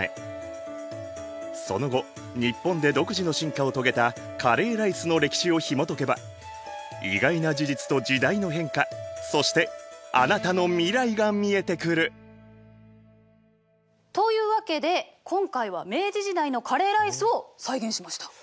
その後日本で独自の進化を遂げたカレーライスの歴史をひもとけば意外な事実と時代の変化そしてあなたの未来が見えてくる！というわけで今回は明治時代のカレーライスを再現しました！